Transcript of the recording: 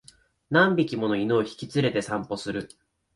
何匹もの犬を引き連れて散歩する